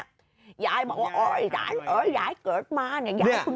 ยายบอกว่าโอ๊ยยายเกิดมาเนี่ยยายเพิ่งเห็น